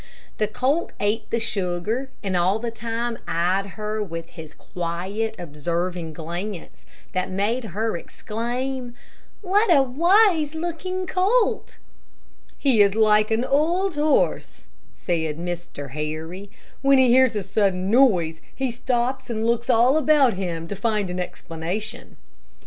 The colt ate the sugar, and all the time eyed her with his quiet, observing glance, that made her exclaim: "What a wise looking colt!" "He is like an old horse," said Mr. Harry. "When he hears a sudden noise, he stops and looks all about him to find an explanation."